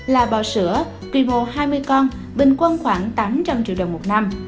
là bò sữa quy mô hai mươi con bình quân khoảng tám trăm linh triệu đồng một năm